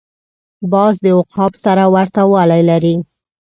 باز د عقاب سره ورته والی لري